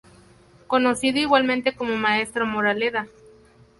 Conocido igualmente como Maestro Moraleda.